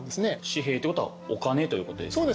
紙幣ということはお金ということですか。